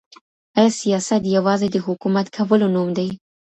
آیا سیاست یوازي د حکومت کولو نوم دی؟